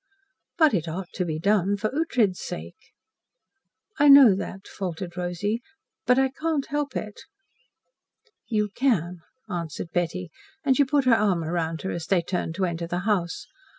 "But it ought to be done for Ughtred's sake." "I know that," faltered Rosy, "but I can't help it." "You can," answered Betty, and she put her arm round her as they turned to enter the house.